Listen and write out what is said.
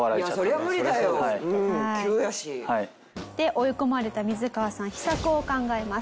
追い込まれたミズカワさん秘策を考えます。